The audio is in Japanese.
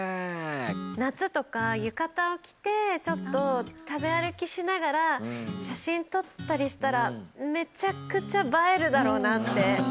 夏とか浴衣を着てちょっと食べ歩きしながら写真撮ったりしたらめちゃくちゃ映えるだろうなって。